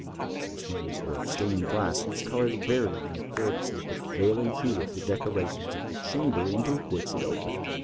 These windows were of stained glass whose color varied in accordance with the prevailing hue of the decorations of the chamber into which it opened.